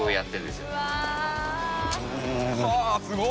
すごい。